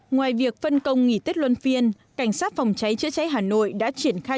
ngoài việc phân công nghỉ tết luân phiên cảnh sát phòng cháy chữa cháy hà nội đã triển khai